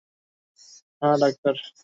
হ্যাঁঁ, ডাক্তার।